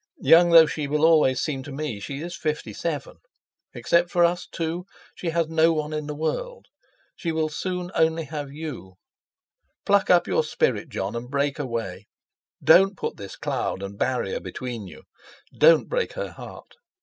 Young though she will always seem to me, she is fifty seven. Except for us two she has no one in the world. She will soon have only you. Pluck up your spirit, Jon, and break away. Don't put this cloud and barrier between you. Don't break her heart!